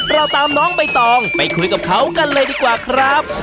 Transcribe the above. เราตามน้องใบตองไปคุยกับเขากันเลยดีกว่าครับ